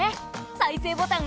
再生ボタン。